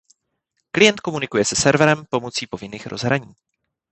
Klient komunikuje se serverem pomocí povinných rozhraní.